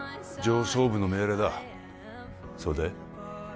上層部の命令だそれで？